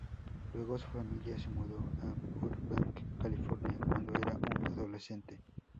Luego su familia se mudo a Burbank, California cuándo era un adolescente.